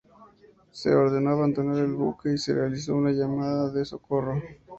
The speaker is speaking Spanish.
Se ordenó abandonar el buque y se realizó una llamada de socorro.